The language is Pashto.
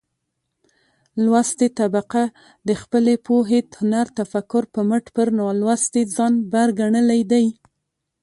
لوستې طبقه د خپلې پوهې، هنر ،تفکر په مټ پر نالوستې ځان بر ګنلى دى.